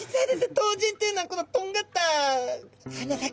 トウジンっていうのはこのとんがった鼻先